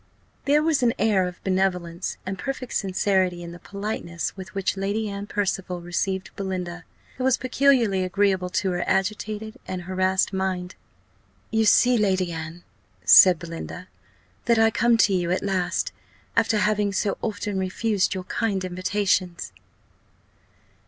There was an air of benevolence and perfect sincerity in the politeness with which Lady Anne Percival received Belinda, that was peculiarly agreeable to her agitated and harassed mind. "You see, Lady Anne," said Belinda, "that I come to you at last, after having so often refused your kind invitations."